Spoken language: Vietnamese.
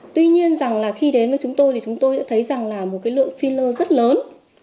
tuy nhiên rằng là khi đến với chúng tôi thì chúng tôi đã thấy rằng là một cái lượng filler rất lớn